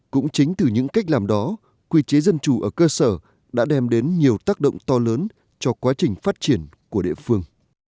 cũng chính từ những cách làm đó quy chế dân chủ ở cơ sở đã đem đến nhiều tác động to lớn cho quá trình phát triển của địa phương